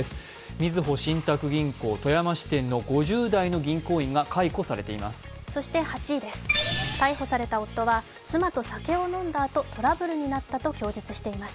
みずほ信託銀行富山支店の５０代の銀行員が、解雇されています。